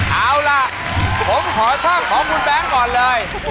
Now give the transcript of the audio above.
เอาล่ะผมขอช่างของคุณแบงค์ก่อนเลย